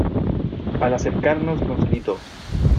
al acercarnos nos gritó: